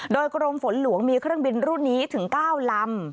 โดยกรมฝนหลวงมีเครื่องบินรุ่นนี้ถึง๙ลำ